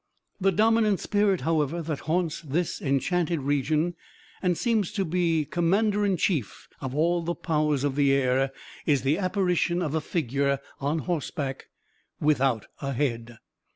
The dominant spirit, however, that haunts this enchanted region and seems to be commander in chief of all the powers of the air, is the apparition of a figure on horseback without a head.